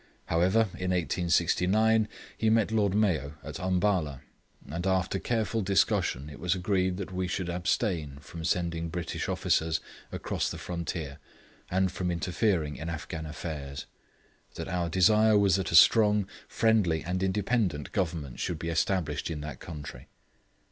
However, in 1869 he met Lord Mayo at Umballa, and after careful discussion it was agreed that we should abstain from sending British officers across the frontier and from interfering in Afghan affairs; that our desire was that a strong, friendly, and independent Government should be established in that country.